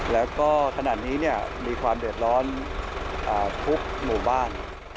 แล้วก็ขณะนี้มีความเดือดร้อนทุกหมู่บ้าน